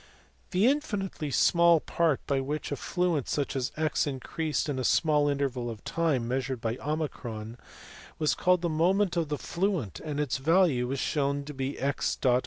The infinitely small part by which a fluent such as x increased in a small interval of time measured by o was called the moment of the fluent ; and its value was shewn * to be xo.